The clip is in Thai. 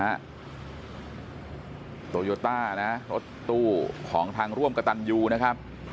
โตโยต้านะรถตู้ของทางร่วมกระตันยูนะครับ